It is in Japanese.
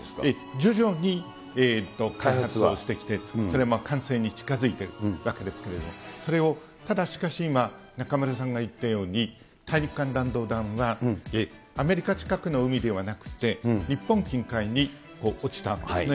徐々に開発はしてきて、それも完成に近づいてるわけですけれども、それをただしかし、今、中丸さんが言ったように、大陸間弾道弾はアメリカ近くの海ではなくて、日本近海に落ちたんですね。